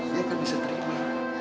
dia akan bisa terima